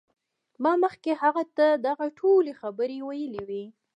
ما مخکې هغه ته دغه ټولې خبرې ویلې وې